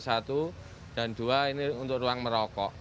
satu dan dua ini untuk ruang merokok